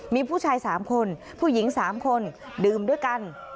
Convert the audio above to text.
มีผู้ชาย๓คนผู้หญิง๓คนดื่มด้วยกัน